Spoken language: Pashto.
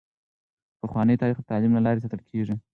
پخوانی تاریخ د تعلیم له لارې ساتل کیږي.